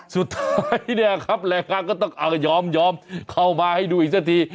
สุดท้ายเนี่ยคำแรงฆ่าก็ต้องยอมเข้ามาให้ดูอีกซะที